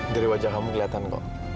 dari wajah kamu kelihatan kok